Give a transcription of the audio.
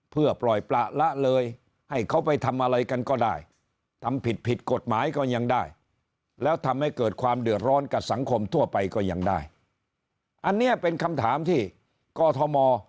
เพื่อปล่อยประละเลยให้เขาไปทำอะไรกันก็ได้ทำผิดผิดกฎหมายก็ยังได้แล้วทำให้เกิดความเดือดร้อนกับสังคมทั่วไปก็ยังได้อันนี้เป็นคำถามที่กอทม